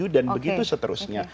dan begitu seterusnya